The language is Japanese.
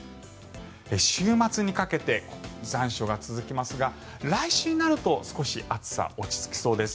週末にかけて残暑が続きますが来週になると少し暑さが落ち着きそうです。